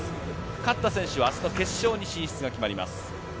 勝った選手は明日の決勝に進出が決まります。